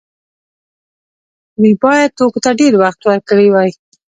دوی باید توکو ته ډیر وخت ورکړی وای.